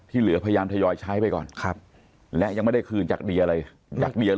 เหลือพยายามทยอยใช้ไปก่อนครับและยังไม่ได้คืนจากเดียอะไรจากเดีย